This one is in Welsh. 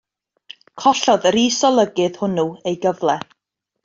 Collodd yr is-olygydd hwnnw ei gyfle.